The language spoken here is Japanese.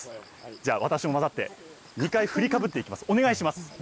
じゃあ、私も交ざって、２回振りかぶっていきます。